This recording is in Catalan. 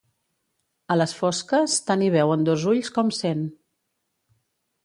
A les fosques, tant hi veuen dos ulls com cent.